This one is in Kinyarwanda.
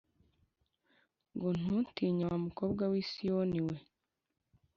ngo ntutinye wa mukobwa w i Siyoni we